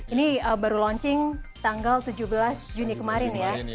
ini baru launching tanggal tujuh belas juni kemarin ya